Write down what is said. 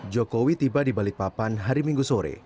jokowi tiba di balikpapan hari minggu sore